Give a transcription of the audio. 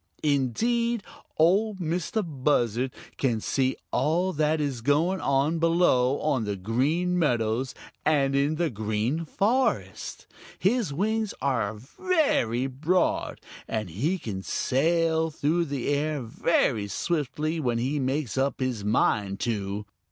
Indeed, Ol' Mistah Buzzard can see all that is going on below on the Green Meadows and in the Green Forest. His wings are very broad, and he can sail through the air very swiftly when he makes up his mind to.